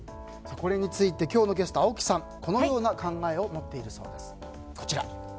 これについて、今日のゲストの青木さんはこのような考えを持っています。